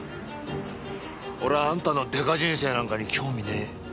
俺はあんたのデカ人生なんかに興味ねえ。